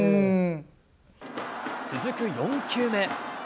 続く４球目。